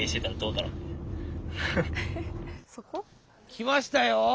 来ましたよ